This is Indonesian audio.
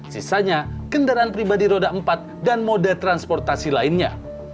sisanya kendaraan pribadi roda empat dan moda transportasi lainnya